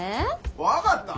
分かった？